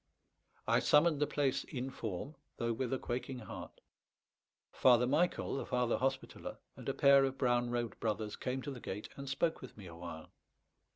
I summoned the place in form, though with a quaking heart. Father Michael, the Father Hospitaller, and a pair of brown robed brothers came to the gate and spoke with me a while.